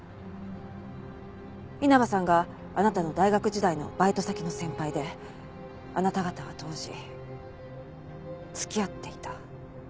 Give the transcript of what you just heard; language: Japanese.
稲葉さんがあなたの大学時代のバイト先の先輩であなた方は当時付き合っていた。